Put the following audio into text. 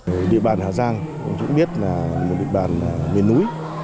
ở địa bàn hà giang chúng biết là địa bàn miền núi